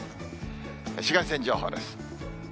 紫外線情報です。